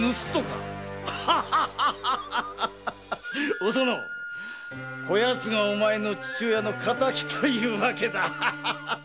おそのこやつがお前の父親の敵という訳だ。